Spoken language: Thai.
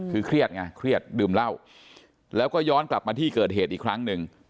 คือเครียดไงเครียดดื่มเหล้าแล้วก็ย้อนกลับมาที่เกิดเหตุอีกครั้งหนึ่ง